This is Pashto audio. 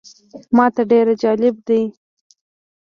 ماته ډېر جالبه دی.